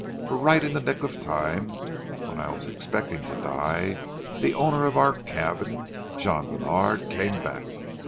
But right in the nick of time, when I was expecting to die, the owner of our cabin, Jean Bènard came back.